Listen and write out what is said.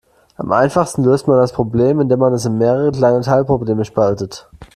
Am einfachsten löst man das Problem, indem man es in mehrere kleine Teilprobleme spaltet.